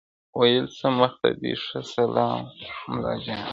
ویل ځه مخته دي ښه سلا مُلاجانه!!